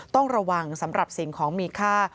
ต้องระวังสำหรับสิ่งของมีค่า